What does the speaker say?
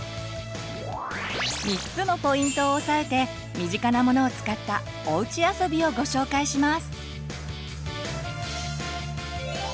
３つのポイントを押さえて身近なものを使ったおうちあそびをご紹介します。